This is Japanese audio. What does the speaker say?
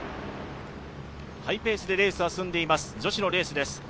ハイペースでレースは進んでいます女子のレースです。